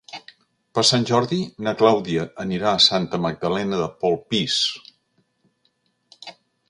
Per Sant Jordi na Clàudia anirà a Santa Magdalena de Polpís.